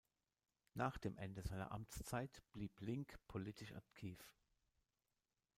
Nach dem Ende seiner Amtszeit blieb Link politisch aktiv.